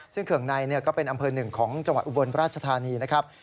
ซึ่งเขื่องในก็เป็นอำเภอหนึ่งของจังหวัดอุบลราชธานีนะครับ